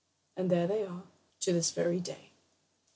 And there they are to this very day!